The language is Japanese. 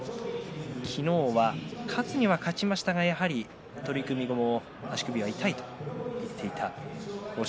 昨日は勝つには勝ちましたがやはり取組後も足首が痛いと言っていました。